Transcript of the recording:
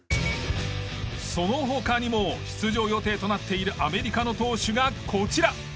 その他にも出場予定となっているアメリカの投手がこちら。